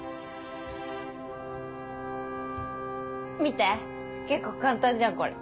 見て結構簡単じゃんこれ。